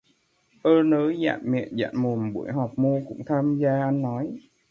O nớ dạn miệng dạn mồm, buổi họp mô cũng tham gia ăn nói